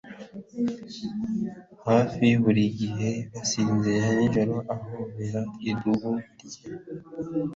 hafi buri gihe asinzira nijoro ahobera idubu rye.